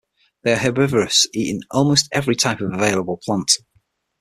They are herbivorous, eating almost every type of available plant.